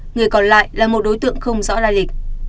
người còn lại là một đối tượng không rõ lai lịch